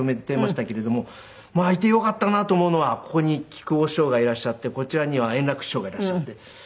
いてよかったなと思うのはここに木久扇師匠がいらっしゃってこちらには円楽師匠がいらっしゃって。